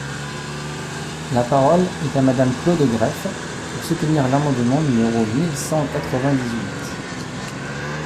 La parole est à Madame Claude Greff, pour soutenir l’amendement numéro mille cent quatre-vingt-dix-huit.